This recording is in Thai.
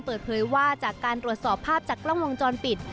เปิดเผยว่าจากการตรวจสอบภาพจากกล้องวงจรปิด